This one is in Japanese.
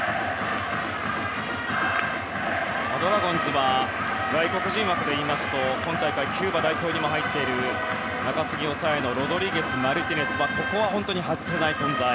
ドラゴンズは外国人枠で言いますと今大会キューバ代表にも入っている中継ぎ、抑えのロドリゲス、マルティネスここは外せない存在。